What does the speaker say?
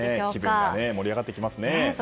気分が盛り上がってきますね。